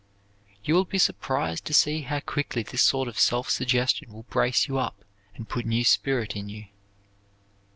You will be surprised to see how quickly this sort of self suggestion will brace you up and put new spirit in you.